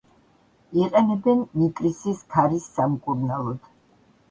იყენებენ ნიკრისის ქარის სამკურნალოდ.